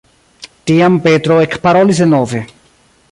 Tiam Petro ekparolis denove.